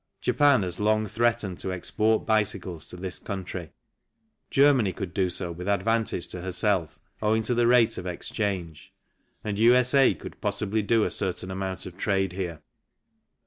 Japan has long threatened to export bicycles to this country, Germany could do so with advantage to herself owing to the rate of exchange, and U.S.A. could possibly do a certain amount of trade here.